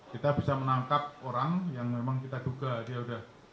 kita bisa menangkap orang yang memang kita duga dia sudah